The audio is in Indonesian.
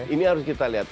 ini harus kita lihat